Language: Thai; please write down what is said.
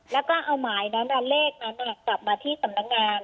แล้วก็เอาหมายนั้นเลขนั้นกลับมาที่สำนักงาน